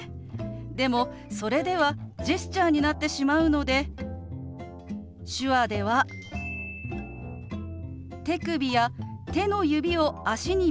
でもそれではジェスチャーになってしまうので手話では手首や手の指を足に見立てて表すんですよ。